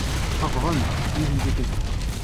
Xeḍben-d, yiwet n tikkelt.